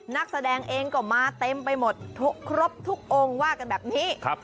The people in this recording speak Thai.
นักแสดงเองก็มาเต็มไปหมดครบทุกองค์ว่ากันแบบนี้